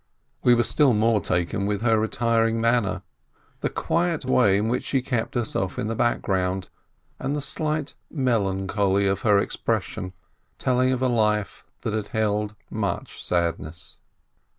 We were still more taken with her retiring manner, the quiet way in which she kept herself in the background and the slight melan choly of her expression, telling of a life that had held much sadness.